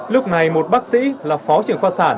lúc này một bác sĩ là phó trưởng khoa sản